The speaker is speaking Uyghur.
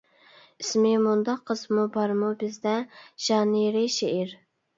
ئىسمى «مۇنداق قىزمۇ بارمۇ بىزدە» ژانىرى «شېئىر» .